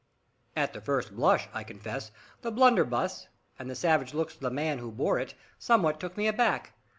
At the first blush, I confess, the blunderbuss, and the savage looks of the man who bore it, somewhat took me aback.